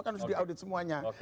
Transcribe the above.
kan harus diaudit semuanya